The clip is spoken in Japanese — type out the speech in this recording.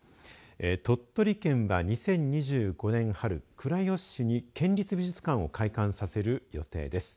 鳥取県は２０２５年、春倉吉市に県立美術館を開館させる予定です。